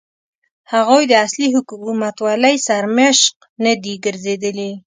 هغوی د اصلي حکومتولۍ سرمشق نه دي ګرځېدلي.